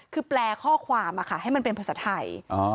คือแปลข้อความให้มันเป็นภาษาไทย